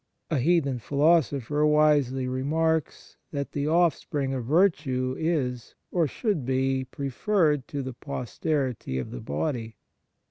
A heathen philosopher wisely remarks that the offspring of virtue is, or should be, preferred to the posterity of the body.